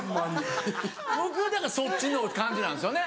僕だからそっちの感じなんですよね。